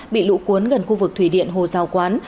bị lũ cuốn gần khu vực thủy điện hồ giao quán